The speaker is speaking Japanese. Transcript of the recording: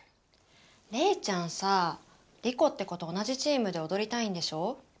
レイちゃんさリコって子と同じチームでおどりたいんでしょ？